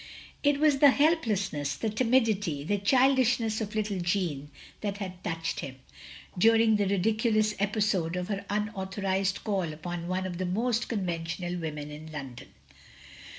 It was the helplessness, the timidity, the childishness of little Jeanne, that had touched him, during the ridiculous episode of her unauthorised call upon one of the most conventional women in Ixmdon.